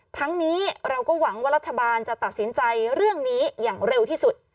ทั้งนี้เราก็หวังว่ารัฐบาลจะตัดสินใจเรื่องนี้อย่างเร็วที่สุด